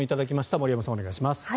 森山さん、お願いします。